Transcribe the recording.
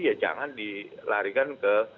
ya jangan dilarikan ke